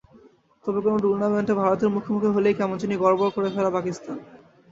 তবে কোনো টুর্নামেন্টে ভারতের মুখোমুখি হলেই কেমন জানি গড়বড় করে ফেলে পাকিস্তান।